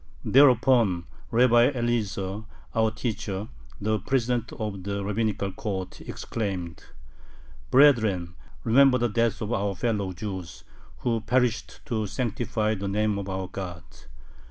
Thereupon Rabbi Eliezer, our teacher, the president of the [rabbinical] court, exclaimed: "Brethren, remember the death of our fellow Jews, who perished to sanctify the name of our God!